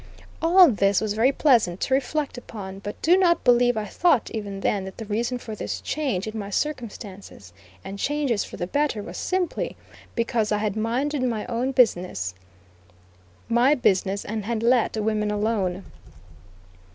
All this was very pleasant to reflect upon; but do not believe I thought even then, that the reason for this change in my circumstances, and changes for the better, was simply because I had minded my business and had let women alone.